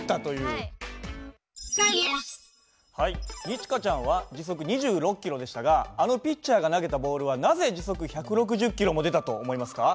二千翔ちゃんは時速２６キロでしたがあのピッチャーが投げたボールはなぜ時速１６０キロも出たと思いますか？